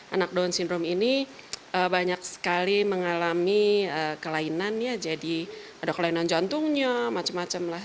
anak down syndrome ini banyak sekali mengalami kelainan ya jadi ada kelainan jantungnya macem macem lah